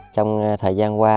trong thời gian qua